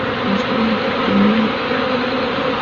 La Escuela Deportiva La Litera.